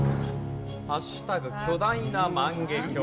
巨大な万華鏡。